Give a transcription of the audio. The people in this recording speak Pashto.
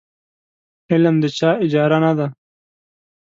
علم د چا اجاره نه ده.